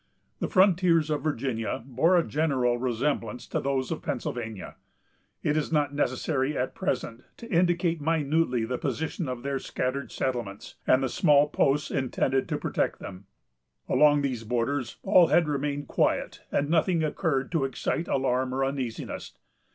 The frontiers of Virginia bore a general resemblance to those of Pennsylvania. It is not necessary at present to indicate minutely the position of their scattered settlements, and the small posts intended to protect them. Along these borders all had remained quiet, and nothing occurred to excite alarm or uneasiness.